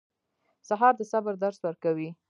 سهار د صبر درس ورکوي.